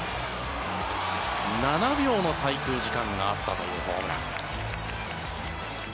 ７秒の滞空時間があったというホームラン。